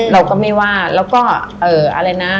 เราก็ไม่ว่าแล้วก็อะไรนะ